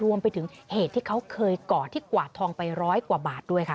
รวมไปถึงเหตุที่เขาเคยก่อที่กวาดทองไปร้อยกว่าบาทด้วยค่ะ